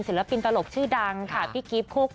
ปินตลกชื่อดังค่ะพี่กิฟต์คู่